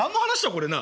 これな？